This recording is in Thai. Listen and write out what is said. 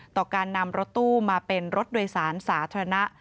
ต่อการนำรถตู้มาเป็นรถโดยสารสาธารณะ